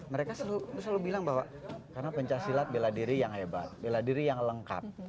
mereka selalu bilang bahwa karena pencaksilat bela diri yang hebat bela diri yang lengkap